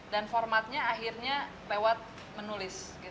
dan formatnya akhirnya lewat menulis